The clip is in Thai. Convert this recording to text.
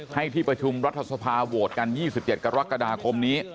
ที่ประชุมรัฐสภาโหวตกัน๒๗กรกฎาคมนี้